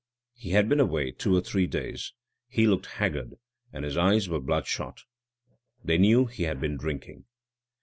He had been away two or three days. He looked haggard, and his eyes were bloodshot. They knew he had been drinking.